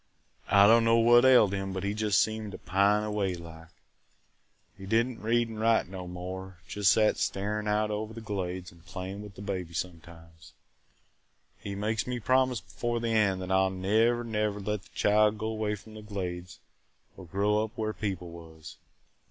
I don't know what ailed him but he just seemed to pine away like. He did n't read and write no more; jest sat staring out over the Glades an' playin' with th' baby sometimes. He makes me promise before the end that I 'll never, never let the child go way from the Glades or grow up where people was.